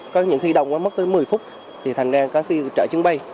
có những khi đông mất tới một mươi phút thì thành ra có khi trở chứng bay